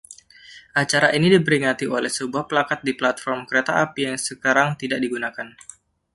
Acara ini diperingati oleh sebuah plakat di platform kereta api yang sekarang tidak digunakan.